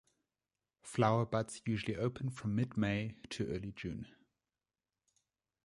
Flower buds usually open from mid-May to early June.